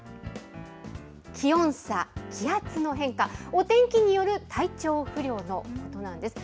気温差、気圧の変化、お天気による体調不良のことなんです。